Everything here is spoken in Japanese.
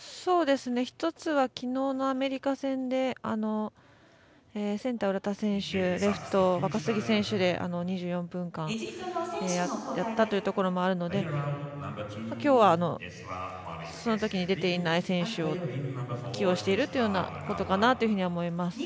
１つは昨日のアメリカ戦でセンターの浦田選手レフトの若杉選手で２４分間やったというところもあるので今日はそのときに出ていない選手を起用しているということかなと思います。